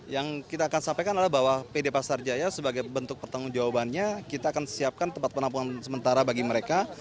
yang kita akan sampaikan adalah bahwa pd pasar jaya sebagai bentuk pertanggung jawabannya kita akan siapkan tempat penampungan sementara bagi mereka